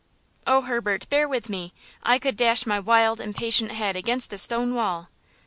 "Oh, Herbert, bear with me; I could dash my wild, impatient head against a stone wall!"